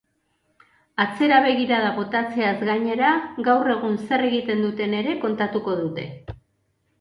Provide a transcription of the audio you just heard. Atzera begirada botatzeaz gainera, gaur egun zer egiten duten ere kontatuko dute.